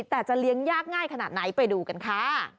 แต่จะเลี้ยงยากง่ายขนาดไหนไปดูกันค่ะ